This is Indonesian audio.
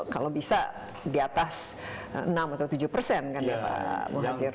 kalau bisa di atas enam atau tujuh persen kan ya pak muhajir